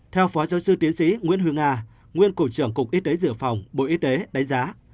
theo phó giáo sư tiến sĩ nguyễn huy nga nguyên cụ trưởng cục y tế dự phòng bộ y tế đánh giá